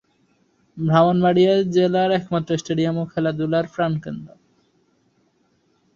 ব্রাহ্মণবাড়িয়া জেলার একমাত্র স্টেডিয়াম ও খেলাধুলার প্রাণকেন্দ্র।